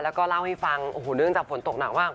แล้วก็เล่าให้ฟังโอ้โหเนื่องจากฝนตกหนักมาก